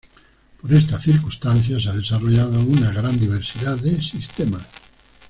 Por esta circunstancia se ha desarrollado una gran diversidad de sistemas.